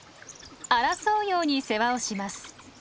争うように世話をします。